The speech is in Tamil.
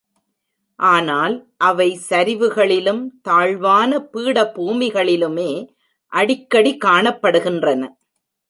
ஆனால் அவை சரிவுகளிலும் தாழ்வான பீடபூமிகளிலுமே அடிக்கடி காணப்படுகின்றன.